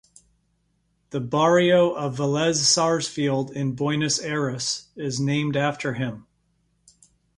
The barrio of Velez Sarsfield in Buenos Aires is named after him.